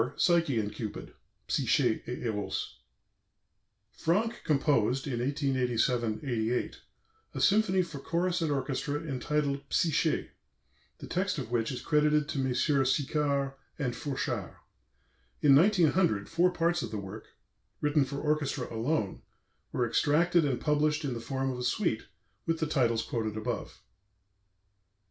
PSYCHE AND CUPID (Psyché et Eros) Franck composed in 1887 88 a symphony for chorus and orchestra entitled "Psyché," the text of which is credited to Messrs. Sicard and Fourchard. In 1900 four parts of the work, written for orchestra alone, were extracted and published in the form of a suite, with the titles quoted above.